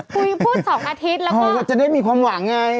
คุยพูดสองอาทิตย์แล้วก็อ๋อก็จะได้มีความหวังไง